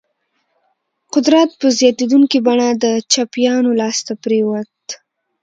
قدرت په زیاتېدونکي بڼه د چپیانو لاس ته پرېوت.